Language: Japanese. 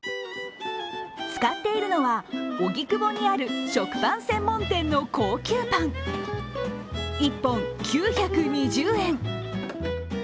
使っているのは、荻窪にある食パン専門店の高級パン１本９２０円。